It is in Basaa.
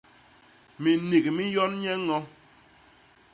Minik mi nyon nye i ño.